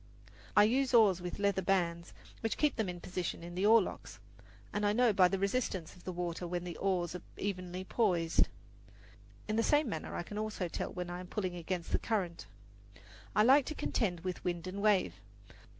I use oars with leather bands, which keep them in position in the oarlocks, and I know by the resistance of the water when the oars are evenly poised. In the same manner I can also tell when I am pulling against the current. I like to contend with wind and wave.